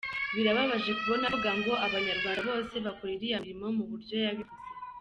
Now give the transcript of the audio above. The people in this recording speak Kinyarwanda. Birababaje kubona avuga ngo abanyarwanda bose bakora iriya mirimo mu buryo yabivuze.